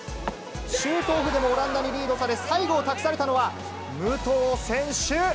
シュートオフでもオランダにリードされ、最後を託されたのは、武藤選手。